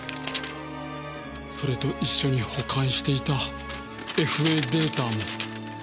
それと一緒に保管していたＦＡデータも。